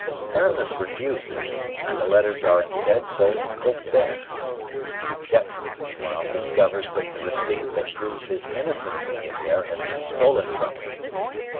Aramis refuses, and the letters are instead sold to Colbert. Fouquet, meanwhile, discovers that the receipt that proves his innocence in the affair has been stolen from him.